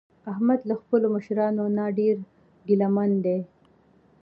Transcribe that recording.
احمد له خپلو مشرانو نه ډېر ګله من دی.